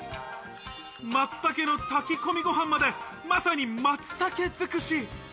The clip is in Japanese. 松竹の炊き込みご飯まで、まさに松茸づくし。